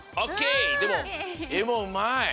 でもえもうまい。